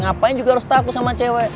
ngapain juga harus takut sama cewek